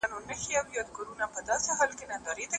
موري خوږېږم سرتر نوکه د پرون له خوارۍ